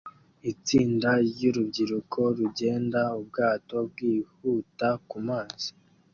Itsinda ryurubyiruko rugenda ubwato bwihuta kumazi